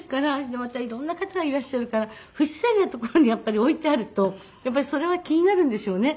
でまた色んな方がいらっしゃるから不自然な所にやっぱり置いてあるとやっぱりそれは気になるんでしょうね。